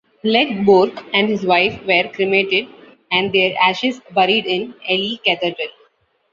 Legge-Bourke and his wife were cremated and their ashes buried in Ely Cathedral.